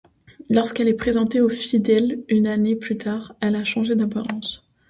Lorsqu'elle est présentée aux fidèles une année plus tard, elle a changé d'apparence.